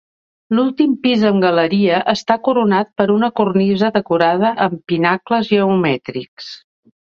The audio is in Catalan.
L'últim pis amb galeria està coronat per una cornisa decorada amb pinacles geomètrics.